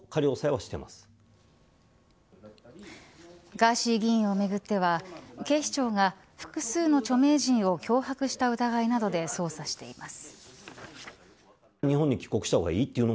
ガーシー議員をめぐっては警視庁が複数の著名人を脅迫した疑いなどで捜査しています。